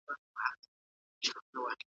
تر کال پورې به مو فرهنګ ډیر غني سوی وي.